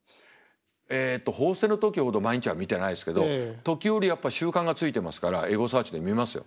えっと「報ステ」の時ほど毎日は見てないですけど時折やっぱ習慣がついてますからエゴサーチで見ますよ。